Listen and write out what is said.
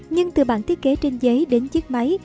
nhưng từ bản thiết kế trên giấy đến chiếc máy